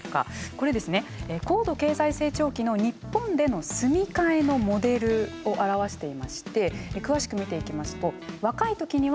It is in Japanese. これですね高度経済成長期の日本での住み替えのモデルを表していまして詳しく見ていきますと若い時には賃貸アパート。